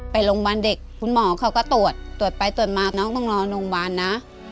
ไปโรงพยาบาลเด็กคุณหมอเขาก็ตรวจตรวจไปตรวจมาน้องต้องนอนโรงพยาบาลนะ